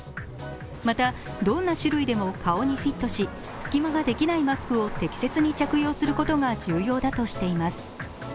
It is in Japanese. また、どんな種類でも顔にフィットし、隙間ができないマスクを適切に着用することが重要だとしています。